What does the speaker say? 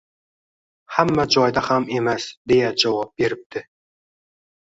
Hamma joyda ham emas, deya javob beribdi.